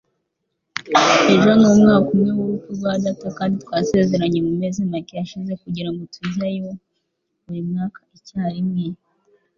Ejo numwaka umwe wurupfu rwa data, kandi twasezeranye mumezi make ashize kugirango tujyayo burimwaka icyarimwe.